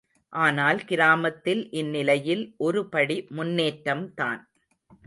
ஆனால் கிராமத்தில் இந்நிலையில் ஒருபடி முன்னேற்றம் தான்.